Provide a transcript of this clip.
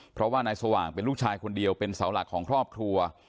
เพราะว่านายสว่างเป็นลูกชายคนเดียวเป็นเสาหลักของครอบครัว